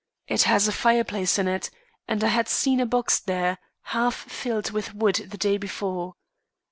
It has a fireplace in it, and I had seen a box there, half filled with wood the day before.